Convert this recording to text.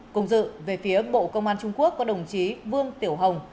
cùng dự về phía bộ công an trung quốc có đồng chí vương tiểu hồng